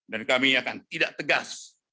dan kami akan tidak tegas